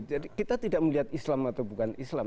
jadi kita tidak melihat islam atau bukan islam